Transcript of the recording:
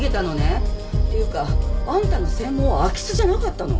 っていうかあんたの専門は空き巣じゃなかったの？